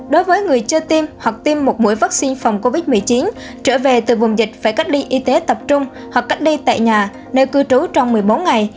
đối với người chưa tiêm hoặc tiêm một mũi vaccine phòng covid một mươi chín trở về từ vùng dịch phải cách ly y tế tập trung hoặc cách ly tại nhà nơi cư trú trong một mươi bốn ngày